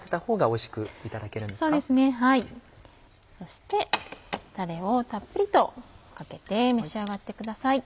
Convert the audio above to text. そしてたれをたっぷりとかけて召し上がってください。